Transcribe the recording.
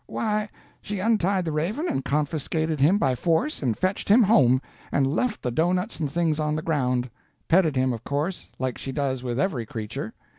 "Why, she untied the raven and confiscated him by force and fetched him home, and left the doughnuts and things on the ground. Petted him, of course, like she does with every creature.